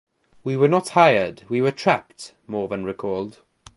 "We were not hired, we were trapped" Morvan recalled.